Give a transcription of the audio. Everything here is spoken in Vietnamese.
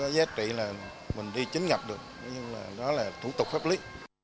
giá trị là mình đi chứng nhập được nhưng mà đó là thủ tục pháp lý